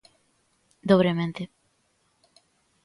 Dobremente.